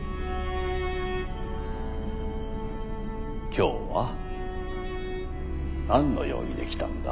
今日は何の容疑で来たんだ？